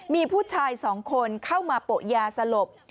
มีผู้ชาย๒คนเข้ามาโปะยาสลบ